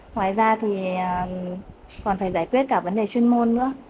ngoài ra thì còn phải giải quyết cả vấn đề chuyên môn nữa